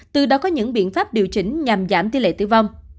từ đó có những biện pháp điều chỉnh nhằm giảm tỷ lệ tử vong